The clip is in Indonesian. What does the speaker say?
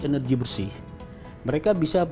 energi bersih mereka bisa